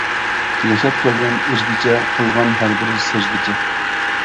ياشاپ كەلگەن ئۆزگىچە قىلغان ھەر بىر سۆزگىچە.